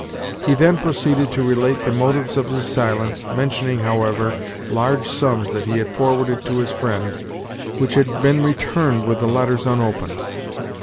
He then proceeded to relate the motives of his silence, mentioning, however, large sums that he had forwarded to his friend, which had been returned with the letters unopened.